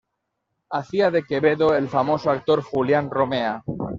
Hacía de Quevedo el famoso actor Julián Romea.